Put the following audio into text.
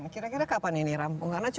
kira kira kapan ini rampung